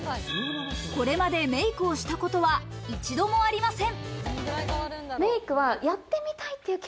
これまでメイクをしたことは一度もありません。